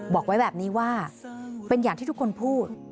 บอกไว้แบบนี้ว่าเป็นอย่างที่ทุกคนพูด